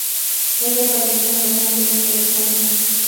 Ella falleció en Los Ángeles, California.